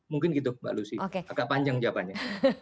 mungkin gitu mbak lucy agak panjang jawabannya